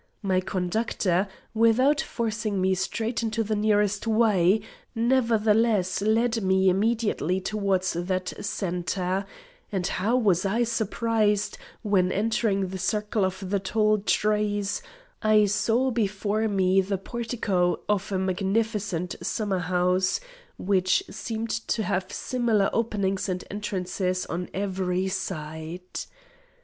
My conductor, without forcing me straight into the nearest way, nevertheless led me immediately towards that centre; and how was I surprised, when entering the circle of the tall trees, I saw before me the portico of a magnificent summer house, which seemed to have similar openings and entrances on every side!